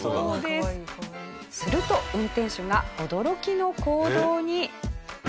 すると運転手が驚きの行動に。